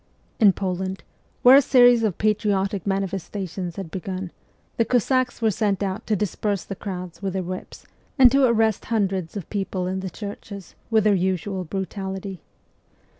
In Poland, where a series of patriotic manifestations had begun, the Cossacks were sent out to disperse the crowds with their whips, and to arrest hundreds of people in the churches with their usual brutality.